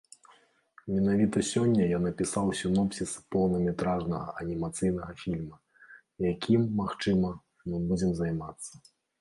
Менавіта сёння я напісаў сінопсіс поўнаметражнага анімацыйнага фільма, якім, магчыма, мы будзем займацца.